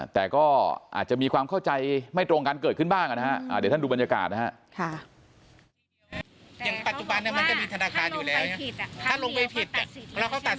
แต่ก็อาจจะมีความเข้าใจไม่ตรงกันเกิดขึ้นบ้างนะฮะเดี๋ยวท่านดูบรรยากาศนะฮะ